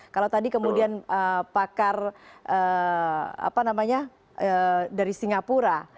kalau tadi kemudian pakar apa namanya dari singapura